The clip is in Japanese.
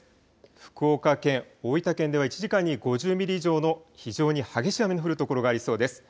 福岡県、大分県では１時間に５０ミリ以上の非常に激しい雨の降るところがありそうです。